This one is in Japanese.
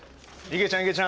いげちゃん。